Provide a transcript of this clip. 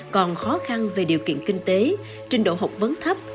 còn khó khăn về điều kiện kinh tế trình độ học vấn thấp